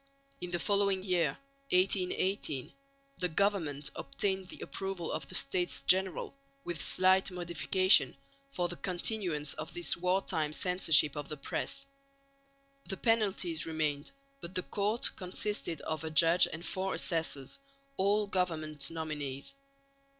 In the following year, 1818, the government obtained the approval of the States General (with slight modification) for the continuance of this war time censorship of the press. The penalties remained, but the court consisted of a judge and four assessors, all government nominees.